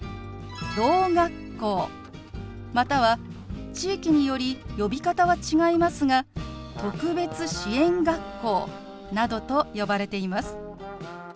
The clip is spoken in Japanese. ろう学校または地域により呼び方は違いますが特別支援学校などと呼ばれています。